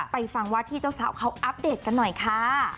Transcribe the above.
ฟังว่าที่เจ้าสาวเขาอัปเดตกันหน่อยค่ะ